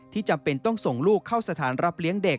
จำเป็นต้องส่งลูกเข้าสถานรับเลี้ยงเด็ก